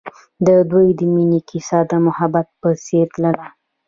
د دوی د مینې کیسه د محبت په څېر تلله.